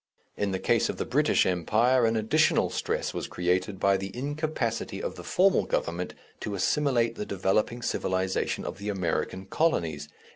In the case of the British Empire an additional stress was created by the incapacity of the formal government to assimilate the developing civilization of the American colonies.